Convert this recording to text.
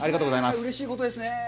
うれしいことですね。